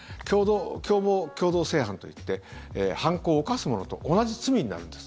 共謀共同正犯といって犯行を犯す者と同じ罪になるんです。